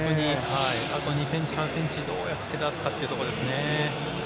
あと２ｃｍ、３ｃｍをどうやって出すかということですね。